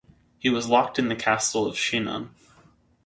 He was locked in the castle of Chinon.